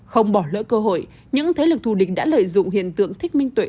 không bỏ lỡ cơ hội những thế lực thù địch đã lợi dụng hiện tượng thích minh tuệ